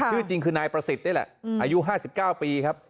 ชื่อจริงคือนายประสิทธิ์นี่แหละอายุ๕๙ปีครับ